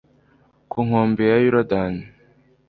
ku nkombe ya yorudani